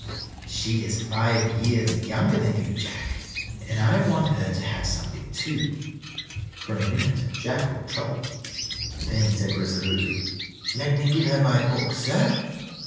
She is five years younger than you, Jack, and I want her to have something, too." For a minute Jack looked troubled; then he said, resolutely, "Let me give her my book, sir."